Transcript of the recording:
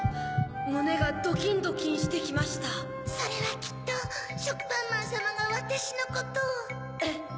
むねがドキンドキンしてきましたそれはきっとしょくぱんまんさまがアタシのことをえっ！